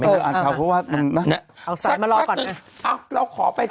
ไม่ครับอ่าอัดข่าวเพราะว่าเอาสายมารอก่อนอ่ะเราขอไปอ่า